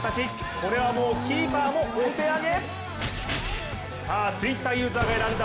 これはもうキーパーもお手上げ？